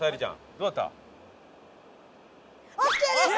どうだった？